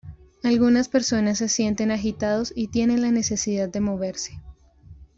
Algunas personas se sienten agitados y tienen la necesidad de moverse.